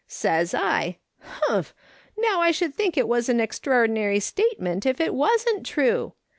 " Says I :' Humph ! Now I should think it was a very extraordinary statement if it wasn't true